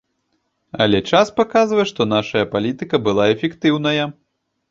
Але час паказвае, што нашая палітыка была эфектыўная.